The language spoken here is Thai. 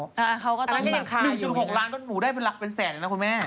๑๖ล้านก็หนูได้เป็นหลักเป็นแสนเนาะคุณแม่